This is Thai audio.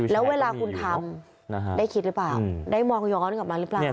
แล้วเวลาคุณทำได้คิดหรือเปล่าได้มองย้อนกลับมาหรือเปล่า